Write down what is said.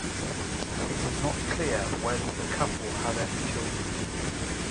It is not clear whether the couple have any children.